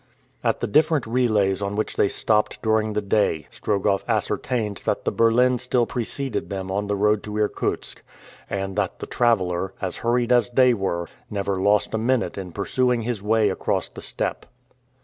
At the different relays at which they stopped during the day Strogoff ascertained that the berlin still preceded them on the road to Irkutsk, and that the traveler, as hurried as they were, never lost a minute in pursuing his way across the steppe.